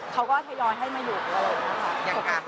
เขาก็ย้อนให้มาอยู่เลย